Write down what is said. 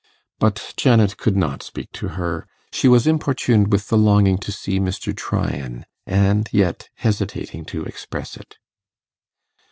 But Janet could not speak to her; she was importuned with the longing to see Mr. Tryan, and yet hesitating to express it.